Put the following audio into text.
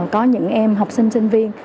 có những em học sinh sinh viên